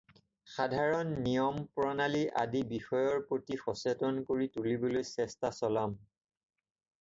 সাধাৰণ নিয়ম-প্ৰণালী আদি বিষয়ৰ প্ৰতি সচেতন কৰি তুলিবলৈ চেষ্টা চলাম।